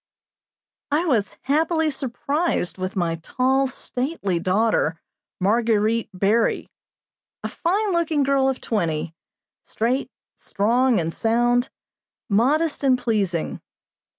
I was happily surprised with my tall, stately daughter, Marguerite Berry. A fine looking girl of twenty, straight, strong, and sound, modest and pleasing.